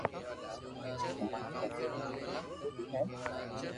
اماري فيملي ٿوڙي ھين پوري ھي